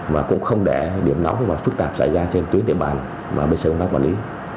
và cũng không để điểm nóng và phức tạp xảy ra trên tuyến địa bàn mà bc tám bảo lý